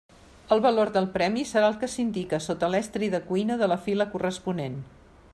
El valor del premi serà el que s'indica sota l'estri de cuina de la fila corresponent.